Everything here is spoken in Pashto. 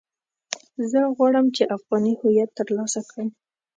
زه غواړم چې افغاني هويت ترلاسه کړم.